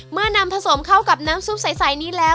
เมื่อนำผสมเข้ากับน้ำซุปใสนี้แล้ว